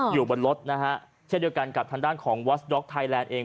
อยู่บนรถนะฮะเช่นเดียวกันกับทางด้านของวอสด็อกไทยแลนด์เอง